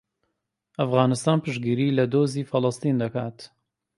ئەفغانستان پشتگیری لە دۆزی فەڵەستین دەکات.